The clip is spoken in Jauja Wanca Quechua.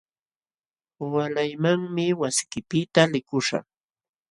Waalaymanmi wasiykipiqta likuśhaq.